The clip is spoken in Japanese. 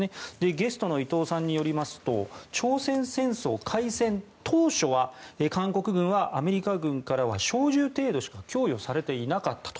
ゲストの伊藤さんによりますと朝鮮戦争開戦当初は韓国軍はアメリカ軍からは小銃程度しか供与されていなかったと。